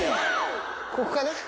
ここかな。